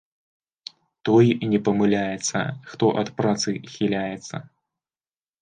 Той не памыляецца, хто ад працы хіляецца